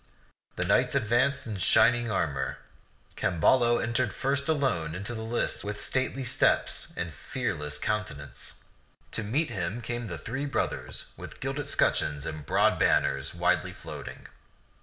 The knights advanced in shining armor. Camballo entered first alone into the lists with stately steps and fearless countenance. To meet him came the three brothers with gilded scutcheons and broad banners widely floating.